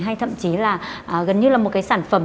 hay thậm chí là gần như là một cái sản phẩm